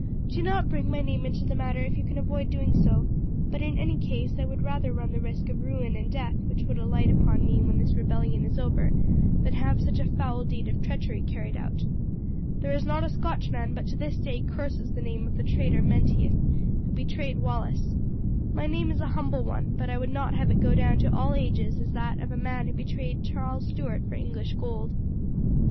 Do not bring my name into the matter if you can avoid doing so; but in any case I would rather run the risk of the ruin and death which would alight upon me when this rebellion is over than have such a foul deed of treachery carried out. There is not a Scotchman but to this day curses the name of the traitor Menteith, who betrayed Wallace. My name is a humble one, but I would not have it go down to all ages as that of a man who betrayed Charles Stuart for English gold."